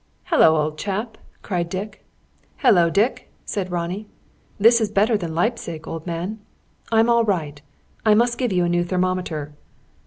"Hullo, old chap!" cried Dick. "Hullo, Dick!" said Ronnie. "This is better than Leipzig, old man. I'm all right. I must give you a new thermometer!"